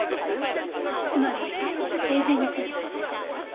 つまり生前についた傷です。